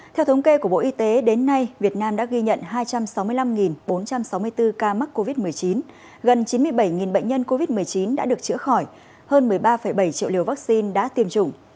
theo thống kê của bộ y tế đến nay việt nam đã ghi nhận hai trăm sáu mươi năm bốn trăm sáu mươi bốn ca mắc covid một mươi chín gần chín mươi bảy bệnh nhân covid một mươi chín đã được chữa khỏi hơn một mươi ba bảy triệu liều vaccine đã tiêm chủng